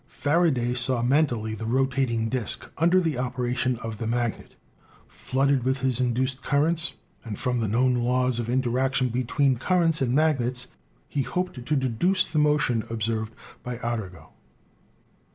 Faraday saw mentally the rotating disk, under the operation of the magnet, flooded with his in duced currents, and from the known laws of interaction between currents and magnets he hoped to deduce the motion observed by Arago.